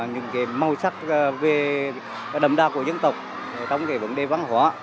những màu sắc đầm đa của dân tộc trong vấn đề văn hóa